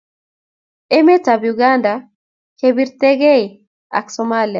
Emet ab Uganda kepirte kee ak somalia